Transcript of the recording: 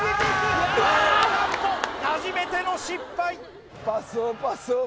何と初めての失敗